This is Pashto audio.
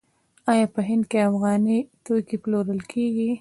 آیا په هند کې افغاني توکي پلورل کیږي؟